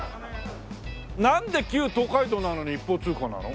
なんで旧東海道なのに一方通行なの？